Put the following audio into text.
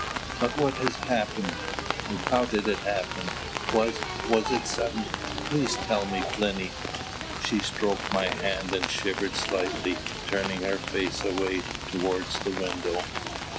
"But what has happened? And how did it happen? Was was it sudden? Please tell me, Plinny!" She stroked my hand and shivered slightly, turning her face away towards the window.